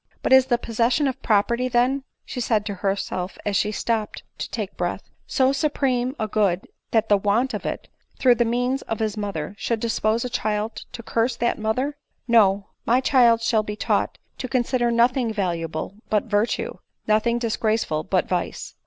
"But is the possession of property, then," she said to herself as she stopped to take breath, " so supreme a good, that the want of it, through the means of his mother, should dispose a child to curse that mother ? No ; my chDd shall be taught to consider nothing valuable but vir tue, nothing disgraceful but vice.